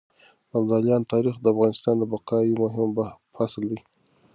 د ابدالیانو تاريخ د افغانستان د بقا يو مهم فصل دی.